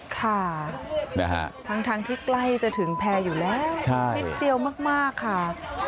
ค่ะทั้งที่ใกล้จะถึงแพร่อยู่แล้วนิดเดียวมากค่ะ